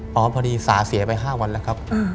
พอดีสาเสียไป๕วันแล้วครับ